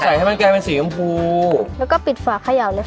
อ๋อใส่ให้มันกลายเป็นสีชมพูแล้วก็ปิดฝากให้เอาเลย